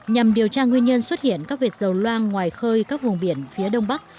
nhằm điều tra nguyên nhân xuất hiện các vệt dầu loang ngoài khơi các vùng biển phía đông bắc